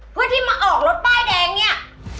เพื่อที่มาออกรถป้ายแดงเนี่ย